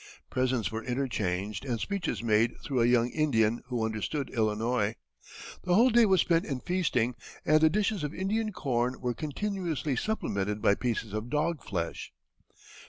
Presents were interchanged and speeches made through a young Indian who understood Illinois. The whole day was spent in feasting, and the dishes of Indian corn were continuously supplemented by pieces of dog flesh.